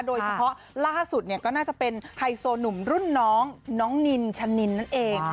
โดยเฉพาะล่าสุดเนี่ยก็น่าจะเป็นไฮโซหนุ่มรุ่นน้องน้องนินชะนินนั่นเอง